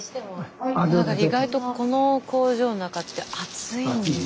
意外とこの工場の中って暑いんですね。